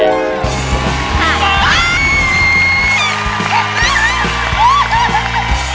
เก่งมากครับ